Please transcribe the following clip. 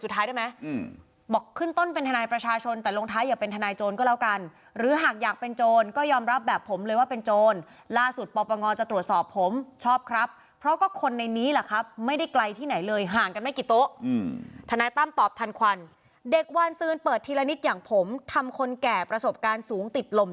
ส่วนเกส๓ขาวแซ่งทำต่างสองขาวเหมือนคนนี้แหละครับที่ไม่ได้ไกลที่ไหนเลยห่างกันไม่กี่โต้